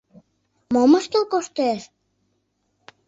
Мом ыштыл коштеш?